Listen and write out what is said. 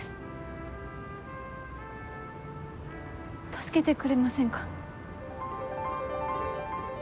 助けてくれませんか？